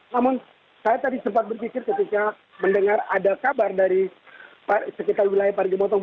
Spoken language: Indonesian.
namun saya tadi sempat berpikir ketika mendengar ada kabar dari sekitar wilayah parigi motong